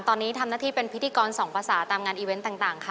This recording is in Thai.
ตอนนี้ทำหน้าที่เป็นพิธีกรสองภาษาตามงานอีเวนต์ต่างค่ะ